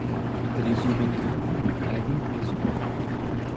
Три зуба наверху, а один внизу.